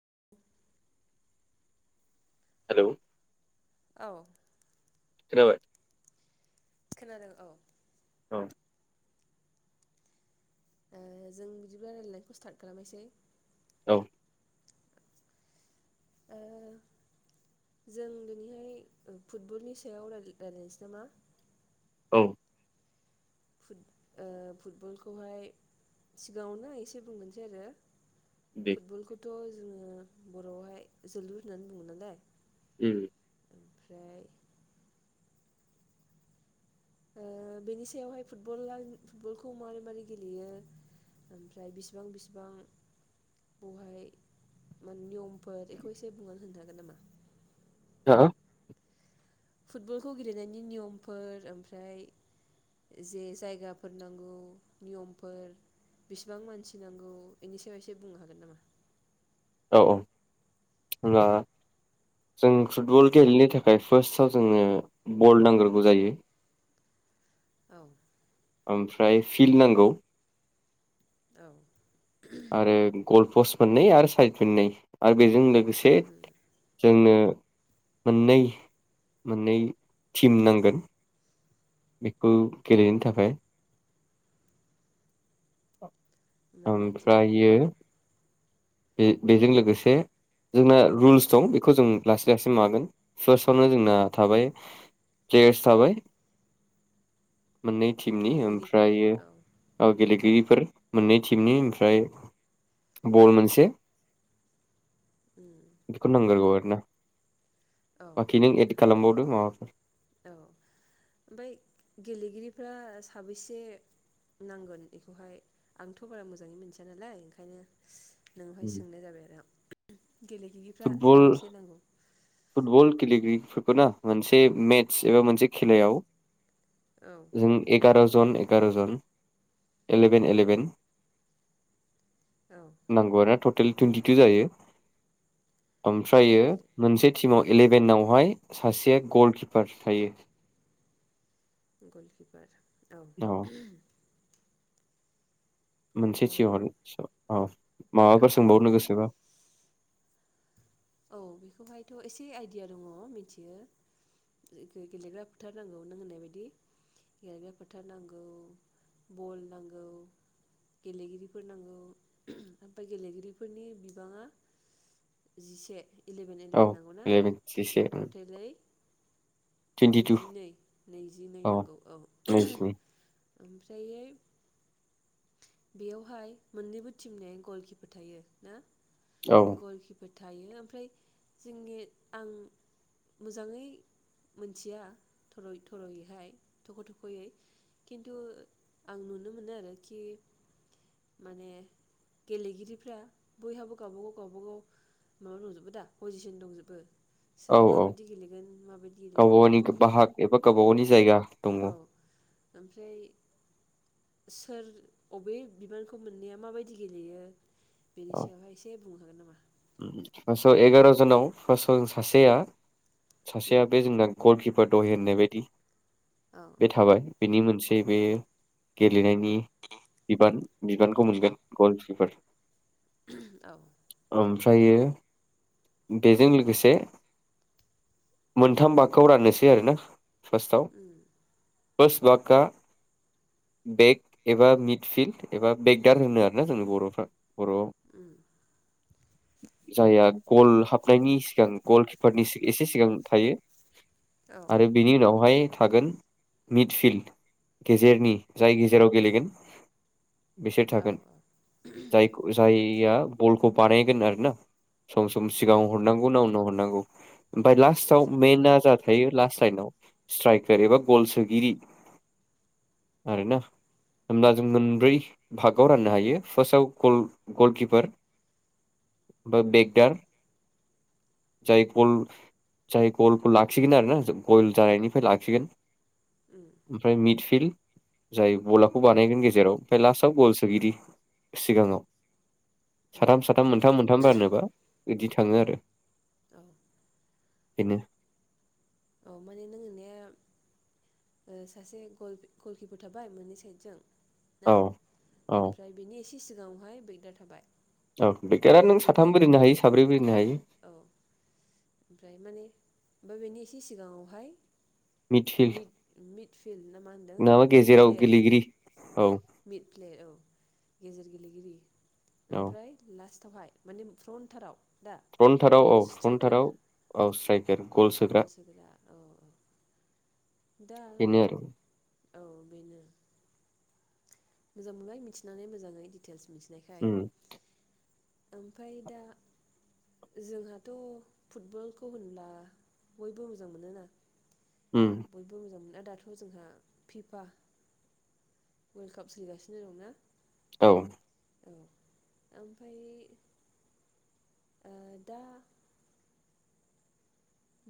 [inaudible] हेल' औ खोनाबाय खोनादों औ औ जों बिदिब्ला रायजलायनायखौ स्टार्ट खालामनोसै औ ओ जों दिनैहाय फुटबलनि सायाव रायलाय-रायलायनोसै नामा औ ओ फुटबलखौहाय सिगाङावनो एसे बुंगोनोसै आरो दे फुटबलखौथ' जोङो बर'आवहाय जोलुर होननानै बुङो नालाय उम ओमफ्राय बेनि सायावहाय फुटबला फुटबलखौ मारै मारै गेलेयो ओमफ्राय बिसिबां बिसिबां बेहाय ओमफाय नियमफोर बेखौ एसे बुंनानै होनो हागोन नामा हा फुटबलखौ गेलेनायनि नियमफोर ओमफ्राय जे जायगाफोर नांगौ नियमफोर बिसिबां मानसि नांगौ बेनि सायाव एसे बुंनो हागोन नामा अ अब्ला जों फुटबल गेलेनो थाखाय फार्स्टआव जोङो बल नांग्रोगौ जायो औ ओमफ्राय फिल्ड नांगौ औ आरो गल्फ पस्ट मोननै आरो साइद मोननै आरो बेजों लोगोसे उम से जोंनो मोननै मोननै टिम नांगोन बेखौ गेलेनो थाखाय औ मोननै टिम औ बे बेजों लोगोसे जोंना रुल्स दं बेखौ जों लासै लासै मागोन फार्स्टआवनो जोंना थाबाय प्लेयार्स थाबाय मोननै टिमनि गेलेगिरिफोर ओमफ्राय औ गेलेगिरि फोर मोननै थिमनि ओमफ्राय बल मोनसे से उम बेखौ नांगोरगौ आरो ना औ बाखि नों एड खालामबाव माबाफोर औ ओमफ्राय गेलेगिरिफ्रा साबैसे नांगोन एखौहाय आंथ' बारा मोजाङै मोनथिया नालाय ओंखायनो नोंहाय सोंनाय जाबाय आरो आं गेलेगिरिफ्रा फुटबल साबेसे नांगौ फुटबल गेलेगिरि फोरखौ ना मोनसे मेट्स एबा मोनसे खेलायाव औ जों एगार'स जन एगार' जन एलेभेन एलेभेन औ नांगौ आनो थ' टेल टुइन्टिटु जायो ओमफ्रायो टटेल मोनसे टिमाव इलेभेनावहाय सासे गलकिपारस थायो [unintelligible] अ मोनसे ओमफ्राय [unintelligible] ओ औ माबाफोर सोंबावनो गोसोबा औ बेखौहायथ' एसे आइडिया दङ मिथियो गेलेग्रा फोथार नांगौ नों होननाय बायदि गेलेग्रा फोथार नांगौ बल नांगौ गेलेगिरिफोर नांगौ ओमफाय गेलेगिरिफोरनि बिबाङा जिसे [unintelligible] इलेभेन औ एलेभेन नांगौ ना इलेभेन जिसे टटेलै टुइन्टिटु नैजिनै नैजि नै नांगौ औ नैजिनै ओमफ्रायै बेयावहाय मोननैबो टिमनि गलकिपार थायो ना? औ गलखिपार थायो ओमफ्राय जोंनि आं मोजाङै मिथिया थर'यैहाय थख' थख'यै खिन्थु आं नुनो मोनो आरोखि माने गेलेगिरिफ्रा बयहाबो गावबा गाव गावबागाव माबा दंजोबो दा पजिसन दंजोबो औ सोर औ माबायदि गेलेगोन माबायदि गेलेया गावबा गावनि गो बाहाग एबा गावबा गावनि जायगा दङ औ ओमफ्राय सोर अबे बिबानखौ मोननाया माबायदि गेलेयो? बेनि सायावहाय एसे बुंनो हागोन नामा? उम फासाव एगार' जनाव फासाव सासेया उम सासेआ बे जोंना गल किप- फो द'हे होननाय बेदि औ बे थाबाय बिनि मोनसे बे गेलेनायनि बिबान बिबानखौ बिबान मोनगोन गलकिपार औ ओमफ्रायो बेजों लोगोसे मोनथाम बागखौ राननोसै आरोना फास्टआव उम फास्ट बाकआ बेक एबा मिड फिल्ड एबा बेकदार होनो आरोना जोंनि बर'फ्रा बर'आव उम जायहा गल हाबनायनि सिगां गलकिपारनि सि एसे सिगां थायो औ आरो बेनि उनावहाय थागोन मिडफिल्ड गेजेरनि जाय गेजेराव गेलेगोन बिसोर औ थागोन जाय जाय या बलखौ बानाय गोन आरो ना सम सम उम सिगां हरनांगौ ना उनाव नांगौ ओमफफ्राय लास्टाव आदसा मेना जादों थायो लास्ट लाइनाव स्ट्राइकार एबा गल सोगिरि उम आरोैना होमब्ला जों मोनब्रै भागाव राननो हायो फार्स्टआव ग गलकिपार बा उम बेकदार जाय गल जाय गलखौ लाखिगोन आरोना गल जानायनिफ्राय लाखिगोन उम ओमफ्राय मिडफिल्ड जाय बलाखौ बानायगोन गेजेराव ओमफ्राय लास्टाव गल सोगिरि सिगाङाव औ सथाम मोनथाम मोनथाम रानोबा बिदि थाङो आरो औ बिनो औ माने नोंनि सासे गलकिपार थाबाय मोननै साइदजों औ ना औ ओमफ्राय बिनि सि सिगाङावहाय बैगदार थाबाय औ बेगदारा नों ओमफ्राय बेनि साथाम बो दोननो हायो साब्रैबो दोननो हायो औ ओमफ्राय माने बेनि एसे सिगाङावहाय मिडफिल्ड मिट मिट फिल्ड ना मा नङाबा होनदों मिट गेजेराव प्लेयार गेलेगिरि औ मि प्लेट औ गेजेर गेलेगिरि औ ओमफ्राय लास्ट थावहाय माने फ्रनथाराव फ्रनटाराव औ फ्रनटाराव औ स्राइ गेलेसोग्रा औ औ दा बेनो आरो औ बेनो मोजां मोनबाय मिथिनानै मोजाङै दिटेल्स मिथि नायखाय उम ओमफ्राय दा जोंहाथ' फुटबलखौ होनब्ला बयबो मोजां मोनोना उम बयबो मोजां मोनो। दा दाथ' जोंहा फिफा वर्ल्ड काप सोलिगासिनो दं ना औ। औ ओमफ्राय ओ दा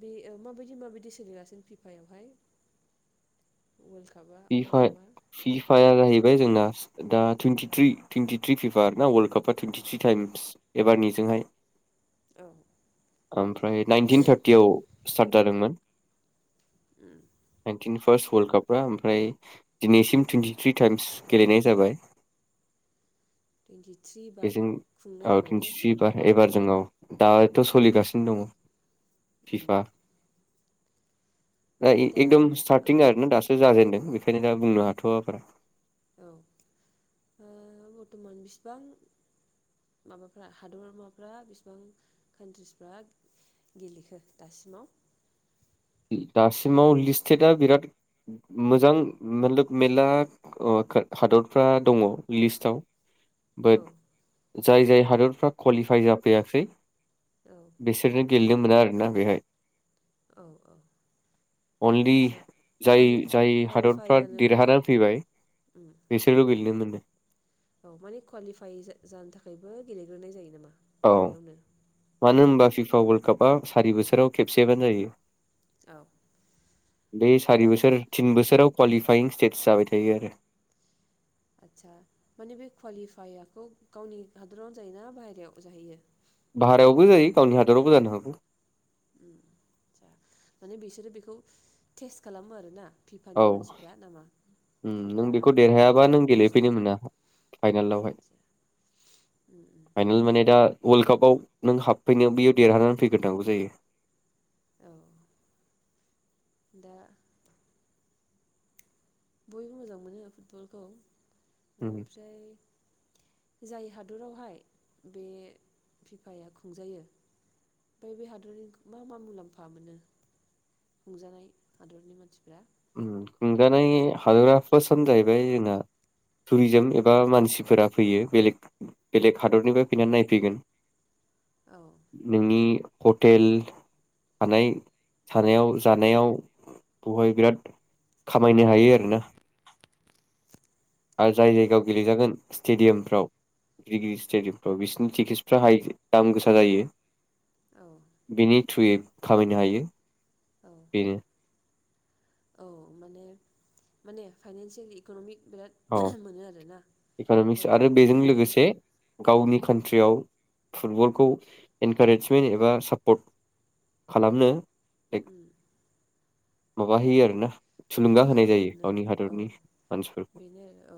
बे मा बायदि मा बायदि सोलिगासिनो फिफायावहाय वर्ल्ड कापआ फि वर्ल्ड फा कापआ फिफा जाहैबाय। ज जोंना दा टुइ्रि टुइनटिथ्रि फिफा ना वर्ल्ड कापा टुइनटिथ्रि टाइम्स एबारनि जोंहाय औ ओमफ्राय नाइनटिन थार्टियाव स्टार्ट जादोंमोन। उम‌। फार्स वलर्ड कापा ओमफ्राय दिनैसिम टुइन्टिथ्रि टाइम्स गेलेनाय जाबाय। टुइन्टिथ्रि बार खुंनाय बेजों जाबाय ने टुइनटि थ्रि बार फिफाखौ एबार जों औ दाथ' सोलिगासिनो दङ। उम फिफा दा एकदम औ स्टार्टिं आरोना दासो जाजेनदों। ओंखायनो दा बुंनो हाथ'वा बारा औ ओ बर्थ'मान बिसिबां माबाफ्रा हादरमाफ्रा बिसिबां कान्ट्रिसफ्रा गेलेखो दासिमाव? दासिमाव लिस्टेटा बिराद मोजां मलग मेलला हादरफ्रा दङ। लिस्टाव औ बाद जाय जाय हादरफ्रा क्वालिफाइ जाफैयासै औ बिसोरनो गेले ननो मोना आरोना बेहाय औ औ अनलि आदसा कुवालि जाय जाय कुवालिफाइ हादरफ्रा जानोबो देरहानानै फैबाय उम बिसोरल' गेलेनो मोनो। [inaudible] औ माने क्वालिफाइ जा-जानो थाखायबो गेलेग्रोनाय जायो नामा? औ बेयावनो मानो होनबा पिफा वल कापा सारि बोसोराव खेबसेबानो जायो। औ बे सारि दा बोसोर तिन बोसोराव क्वालिफायिं स्टेटस जाबाय थायो आरो। आदसा माने बे क्वालिफाइ आखौ गावनि हादरावनो जायोना बाहेरायाव जाहैयो? भाहेरायावबो जायो गावनि हादरावबो जानो हागौ। उम आतसा माने बिसोरो बिखौ टेस्ट खालामो आरोना? औ फिफानि मानसिफ्रा नामा उम नों फिफा बेखौ देरहायाबा नों गेलेफैनो अनुस्थाना मोना औ फाइनालावहाय आदसा उम उम फाइनाल माने दा वलर्ड कापाव नों हाबफैनायाव बैआव देरहानानै फैग्रोनांगौ जायो। औ दा बयबो मोजां मोनो फुटबलखौ उम ओमफ्राय जाय हादरावहाय बे फिफाया खुंजायो ओमफाय बे हादरनि मा मा मुलाम्फा मोनो खुंजानाय हादरनि मानसिफ्रा? उम खुंजानाय हादरा फार्स्टआनो जाहैबाय जोंहा टुरिजोम एबा मानसिफोरा फैयो बेलेग बेलेग हादरनिफ्राय फैनानै नायफैगोन औ नोंनि हटेल थानाय थानायाव जानायाव बहाय बिराद खामायनो हायो आरोना आय जाय जायगायाव गेलेेजागोन स्टेडियामफ्राव गिदिर गिदिर स्टेडियामफ्राव बिसोरनि टिकेटसफ्रा हाइ दाम गोसा जायो। औ थुयै खामायनो हायो। औ बेनो औ माने माने फाइनसियेल इक'नमिक बिराद औ मोनो आरोना इक'न'मिक्स आरो बेजों हटेल लोगोसे गावनि खान्थ ट्रियाव फुटबलखौ इनकारेजमेन्ट एबा सापर्ट खालामनो उम माबा होयो आरो ना थुलुंगा होनाय खाबु जायो मोनो गावनि औ हादरनि मानसिफोर बेनो औ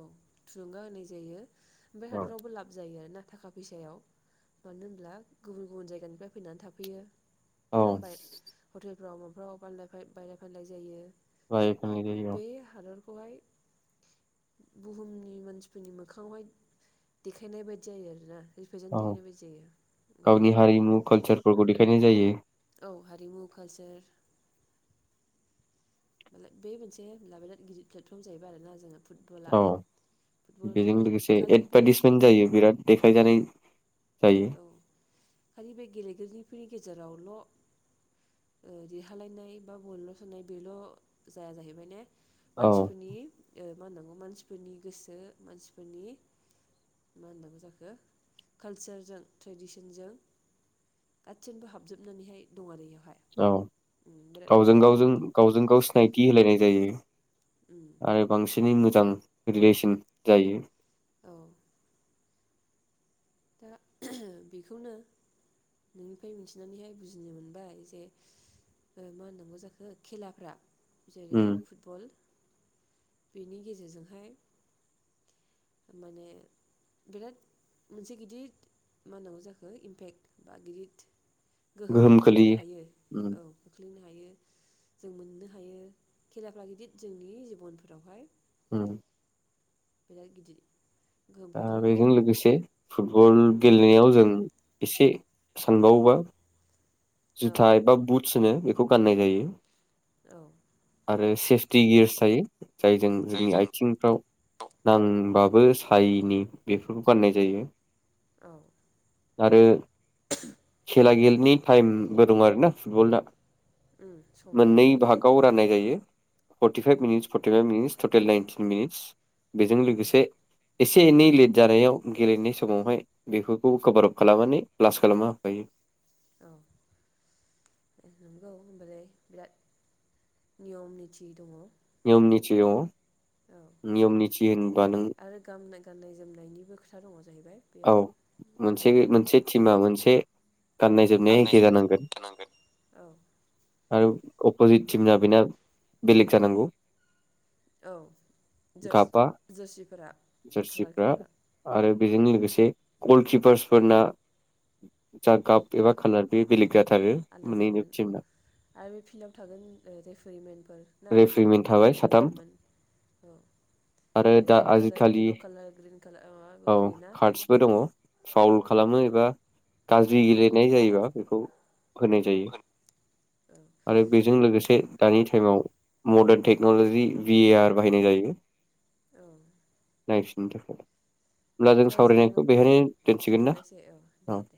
थुलुंगा होनाय जायो। ओमफाय हादरावबो लाब जायो आरो ना थाखा बैसायाव मानो होनब्ला गुबुन गुबुन जायगानिफ्राय फैनान थाफैयो। औ नोङा होमबाय हटेल फ्राव माफ्राव बानलाय फाय बायलाय फानलाय जायो। बायखांनाय दो बे हादर खौहाय बुहुमनि मानसिफोरनि मोखाङावहाय देखायनाय बायदि जायो आरोना। रिप्रेजेन्ट औ देखायनाय बायदि जायो गावनि हारिमु कालसार फोरखौ देखायनाय जायो। औ हारिमु कालचार मालाय बे मोनसे लाबा गिदिर प्लेटफर्म जाहैबाय आरोना जोङो औ बेजों लोगोसे खालि बे एदभार्टिसमेन्ट जायो बिराद देखाय जानाय। औ खालि बे गेलेगिरिफोरनि। गेजेरावल' ओ देरहालायनाय बा बलल' सोनाय बेल' जाया जाहैबाय ने। औ मानसिफोरनि ओ। मा होननांगौ मानसिफोरनि गोसो मानसिफोरनि मा होननांगौ जाखो कालसार जों ट्रेडिसनजों गासिबो हाबजोबनानैहाय दं आरो इयाव औ गावजों गावजों गावजों गाव सिनायथि होलायनाय जायो। आरो बांसिनै। मोजां रिलेसन जायो। औ। दा बेखौनो नोंनिफ्राय मिथिनानैहाय बुजिनो मोनबाय जे ओ मा होननांगौ जाखो खेलाफ्रा जेरै उम फुटबल बेनि गेजेरजोंहाय माने बिराद मोनसे गिदिद मा होननांगौ जाखो इम्पेक्ट बा गिदिर गोहोम खोख्लैनो हायो उम औ खोख्लैनो हायो। जों मोननो हायो खेलाफ्रा गिदिर जोंनि जिबनफोरावहाय उम। बिराद गिदिर गोहोम आ खोख्लैनो हायो बेजों लोगोसे फुटबल उम, गेलेनायाव जों एसे सानबावोबा औ जुथा एबा बुथस होनो बेखौ गाननाय जायो। औ। आरो सेफटि गियार्स थायो। जायजों जोंनि आइथिंफ्राव नांबा बो सायिनि बेफोरखौ गान्नाय जायो। औ। आरो खेला गेलेनि टाइमबो दं आरोना फुटबलना। उम समबो दङ मोननै भागाव राननाय जायो। Forty five um, minutes forty five minutes total ninety minutes बेजों औ लोगोसे एसे एनै लेट जानायाव गेलेनाय समावहाय बेफोरखौ कभार आप खालामनानै प्लास खालामना होफायो। औ नंगौ होनोमबालाय बिराद नियम निथि दङ। निम निथि अ औ ओमफ्राय आरो गान गाननाय जोमनायनिबो खोथा दङ। जाहैबाय औ बेयाव औ मोनसे मोनसे टिमा मोनसे से गाननाय जोमनाया एखे जानांगोन औ आरो अपजित टिमना बेना बेलेग जानांगौ। औ गाबा जर-जारसिफोरा कालार जार्सिफ्रा खालार आरो बेजों लोगोसे से गलिपारस फोरना जा गाब एबा खालार बे बेलेग जाथारो आलदा मोननैनिबो जागोन औ टिमना आरो बे फिल्डाव थागोन रेफारिमेन्टफोर ना रेफ्रिमेन्ट रेभारिमेन थाबाय साथाम रेभारिउमेन औ आरो दा रेड कालार आजिखालि येल्ल' कालार ग्रिन कालार माबाबो औ होयो ना। बा गाज्रि गेलेनाय जायोबा बेखौ होनाय जायो औ आरो बेजों लोगोसे बे दानि टाइमाव मडार्न टेक्न'ल'जि भिएआ बाहायनाय जायो। औ नायफिननो थाखाय होनोमब्ला जों सावरायनायखौ बेहायनो दोनसिगोन ना दोनथ'नोसै दे औ। दे